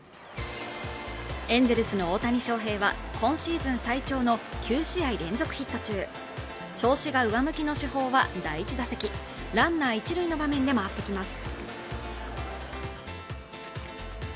エンゼルスの大谷翔平は今シーズン最長の９試合連続ヒット中調子が上向きの主砲は第１打席ランナー１塁の場面で回ってきます